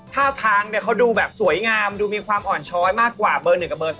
ท่าทางเขาดูแบบสวยงามดูมีความอ่อนช้อยมากกว่าเบอร์๑กับเบอร์๒